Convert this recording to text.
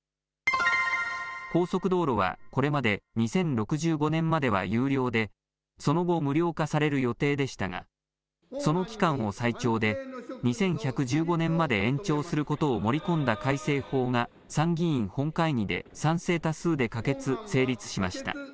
高速道路はこれまで２０６５年までは有料でその後、無料化される予定でしたがその期間を最長で２１１５年まで延長することを盛り込んだ改正法が参議院本会議で賛成多数で可決・成立しました。